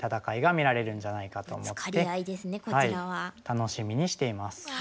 楽しみにしています。